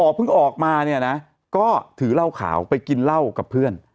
เพิ่งออกมาเนี่ยนะก็ถือเหล้าขาวไปกินเหล้ากับเพื่อน